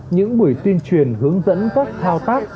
những buổi tuyên truyền hướng dẫn tốt thao tác